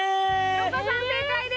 遼河さん正解です！